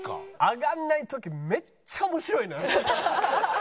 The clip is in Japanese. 上がんない時めっちゃ面白いのよ。